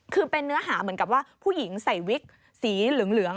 คือเป็นเนื้อหาเหมือนกับว่าผู้หญิงใส่วิกสีเหลือง